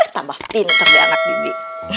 tambah pinter ya anak bibi